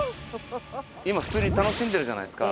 今普通に楽しんでるじゃないっすか。